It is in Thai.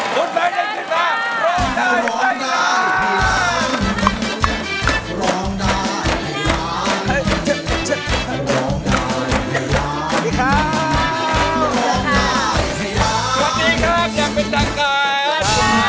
สวัสดีครับอย่างเป็นทางการ